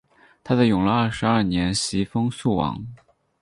他在永乐二十二年袭封肃王。